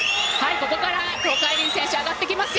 ここから東海林選手上がってきますよ。